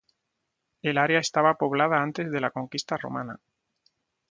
El área estaba poblada antes de la conquista romana.